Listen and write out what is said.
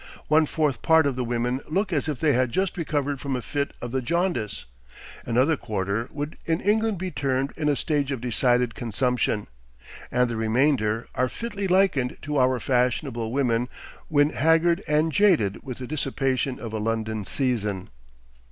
One fourth part of the women look as if they had just recovered from a fit of the jaundice, another quarter would in England be termed in a stage of decided consumption, and the remainder are fitly likened to our fashionable women when haggard and jaded with the dissipation of a London season."